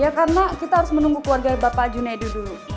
ya karena kita harus menunggu keluarga bapak junedi dulu